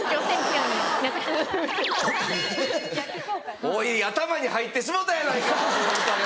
おい頭に入ってしもうたやないかその歌が！